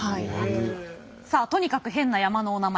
さあとにかくヘンな山のお名前。